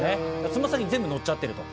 つま先に全部乗っちゃっていると。